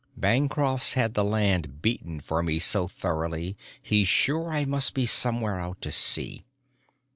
Bancroft's had the land beaten for me so thoroughly he's sure I must be somewhere out to sea.